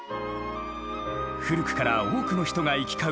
古くから多くの人が行き交う